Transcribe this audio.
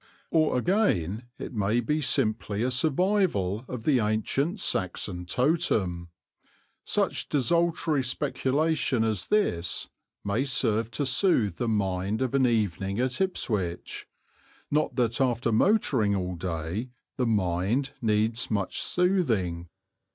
Or, again, it may be simply a survival of the ancient Saxon totem. Some such desultory speculation as this may serve to soothe the mind of an evening at Ipswich not that after motoring all day the mind needs much soothing.